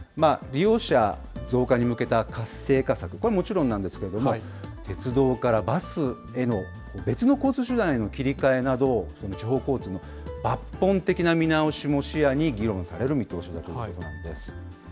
利用者増加に向けた活性化策、これはもちろんなんですけれども、鉄道からバスへの、別の交通手段への切り替えなど、地方交通の抜本的な見直しも視野に議論される見通しだということなんです。